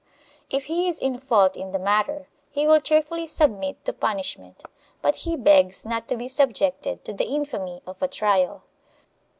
If he is in fault in the matter he will cheerfully submit to punishment, but he begs not to be subjected to the infamy of a trial.